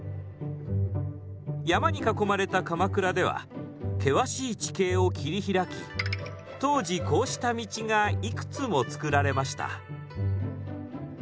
山に囲まれた鎌倉では険しい地形を切り開き当時こうした道がいくつも作られました。